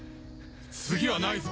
次はないぞ。